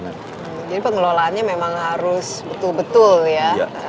jadi pengelolaannya memang harus betul betul ya